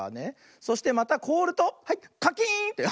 そしてまたこおるとはいカキーンってかたまったね。